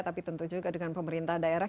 tapi tentu juga dengan pemerintah daerah